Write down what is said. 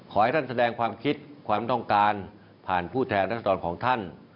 ขอให้ท่านแสดงความคิดความต้องการผ่านผู้แทนรัศดรของท่าน